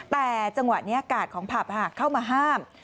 แต่จังหวะนี้กาดของผับเข้ามาห้าม